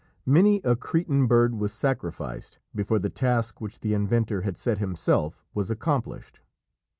Many a Cretan bird was sacrificed before the task which the inventor had set himself was accomplished.